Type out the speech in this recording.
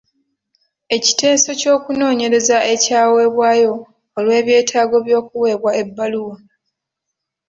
Ekiteeso ky'okunoonyereza ekyaweebwayo olw'ebyetaago by'okuweebwa ebbaluwa.